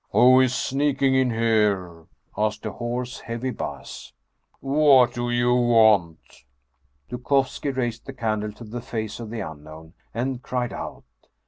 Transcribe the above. " Who is sneaking in here ?" asked a hoarse, heavy bass. " What do you want ?" Dukovski raised the candle to the face of the unknown, and cried out.